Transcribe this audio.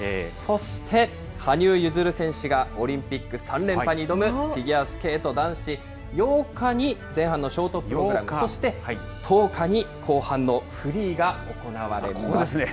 そして、羽生結弦選手がオリンピック３連覇に挑むフィギュアスケート男子、８日に前半のショートプログラム、そして１０日に後半のフリーが行われます。